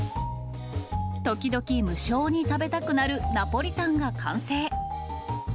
時々、無性に食べたくなるナポリタンが完成。